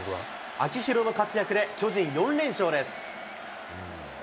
秋広の活躍で巨人４連勝です。